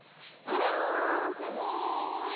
あらっ、すごい！